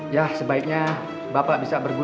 nasir kamu pelipu